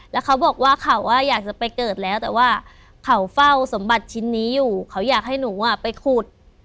แล้วเขาบอกว่าเขาอยากจะไปเกิดแล้วแต่ว่าเขาเฝ้าสมบัติชิ้นนี้อยู่เขาอยากให้หนูไปขุด